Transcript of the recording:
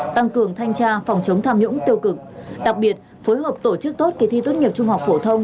tăng cường thanh tra phòng chống tham nhũng tiêu cực đặc biệt phối hợp tổ chức tốt kỳ thi tốt nghiệp trung học phổ thông